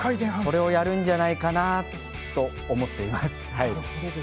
それをやるんじゃないかなと思っています。